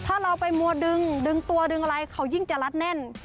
ถ้าเราไปมัวดึงดึงตัวดึงอะไรเขายิ่งจะรัดแน่น